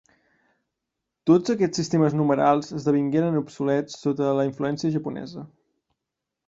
Tots aquests sistemes numerals esdevingueren obsolets sota la influència japonesa.